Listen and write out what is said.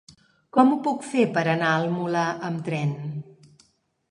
Com ho puc fer per anar al Molar amb tren?